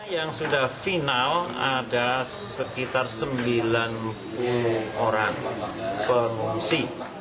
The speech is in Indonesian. yang sudah final ada sekitar sembilan puluh orang pengungsi